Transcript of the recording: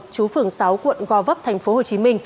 chú phường sáu quận go vấp tp hcm